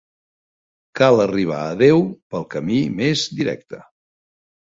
Cal arribar a Déu pel camí més directe.